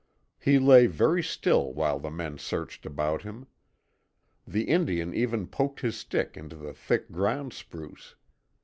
He lay very still while the men searched about him. The Indian even poked his stick into the thick ground spruce.